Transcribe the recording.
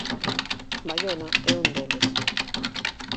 Baiona é un deles.